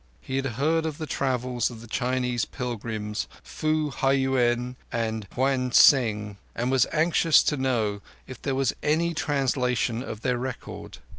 He had heard of the travels of the Chinese pilgrims, Fu Hiouen and Hwen Tsiang, and was anxious to know if there was any translation of their record.